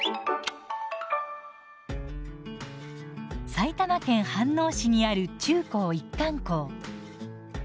埼玉県飯能市にある中高一貫校。